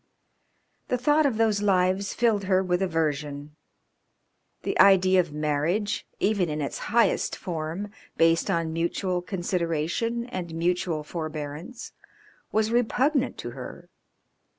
The thought of those lives filled her with aversion. The idea of marriage even in its highest form, based on mutual consideration and mutual forbearance was repugnant to her.